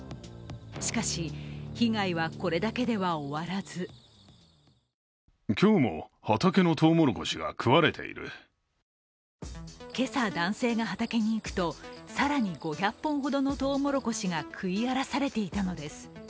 しかし、被害はこれだけでは終わらず今朝、男性が畑に行くと更に５００本ほどのとうもろこしが食い荒らされていたのです。